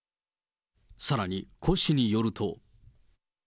さらにコ氏によると。